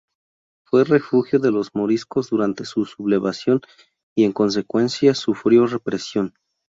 Fue refugio de los moriscos durante su sublevación y en consecuencia sufrió represión.